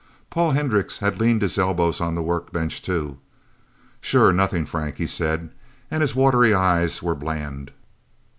Paul Hendricks had leaned his elbows on the workbench, too. "Sure nothing Frank," he said, and his watery eyes were bland.